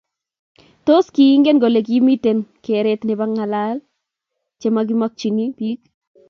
Tos, kiingen kole kimiten keret nebo ngaal chemagimwachini biik